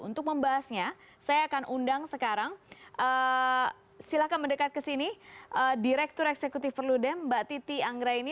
untuk membahasnya saya akan undang sekarang silakan mendekat ke sini direktur eksekutif perludem mbak titi anggraini